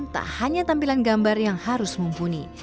tak hanya tampilan gambar yang harus mumpuni